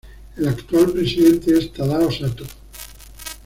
El actual presidente es Tadao Sato.